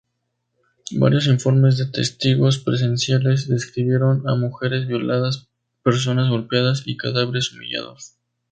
Varios informes de testigos presenciales describieron a mujeres violadas, personas golpeadas y cadáveres humillados.